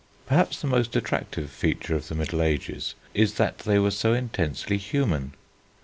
Perhaps the most attractive feature of the Middle Ages is that they were so intensely human.